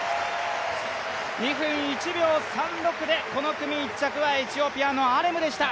２分１秒３６でこの組１着はエチオピアのアレムでした。